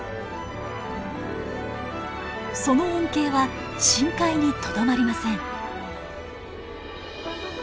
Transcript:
その恩恵は深海にとどまりません。